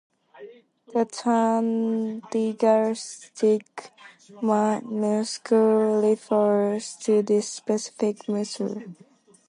The term "digastric muscle" refers to this specific muscle.